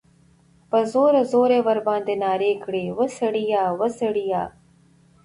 په زوره، زوره ئی ورباندي نارې کړې ، وسړیه! وسړیه!